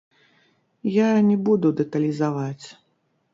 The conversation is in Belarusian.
Я не буду дэталізаваць.